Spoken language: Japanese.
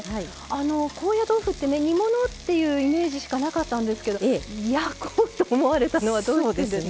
高野豆腐ってね煮物っていうイメージしかなかったんですけど焼こうと思われたのはどうしてですか？